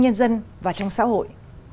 nhân dân và trong xã hội